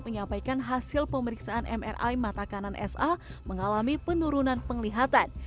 menyampaikan hasil pemeriksaan mri mata kanan sa mengalami penurunan penglihatan